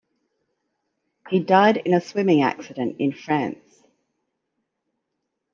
He died in a swimming accident in France.